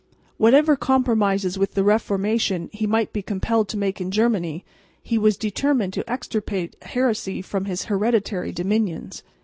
Whatever compromises with the Reformation he might be compelled to make in Germany, he was determined to extirpate heresy from his hereditary dominions.